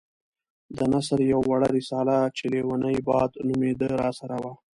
د نثر يوه وړه رساله چې ليونی باد نومېده راسره وه.